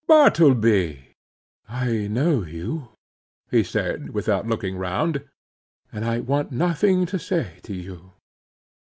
"Bartleby!" "I know you," he said, without looking round,—"and I want nothing to say to you."